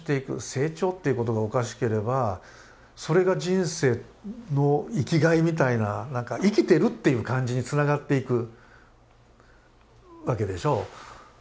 「成長」っていうことがおかしければそれが人生の生きがいみたいな何か生きてるっていう感じにつながっていくわけでしょう。